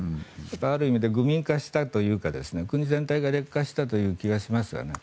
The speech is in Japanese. ある意味で愚民化したというか国全体が劣化した気がしますね。